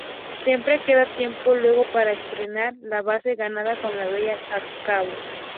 Siempre queda tiempo luego para estrenar la base ganada con la bella cabo.